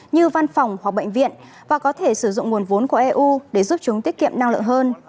như văn phòng hoặc bệnh viện và có thể sử dụng nguồn vốn của eu để giúp chúng tiết kiệm năng lượng hơn